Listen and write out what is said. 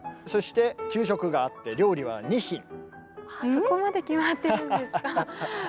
そして昼食があって料理は２品。